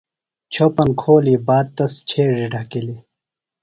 چھوۡپن کھولی باد تس چھیڈیۡ ڈھکِلیۡ۔